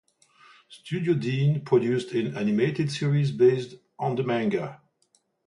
Studio Deen produced an animated series based on the manga.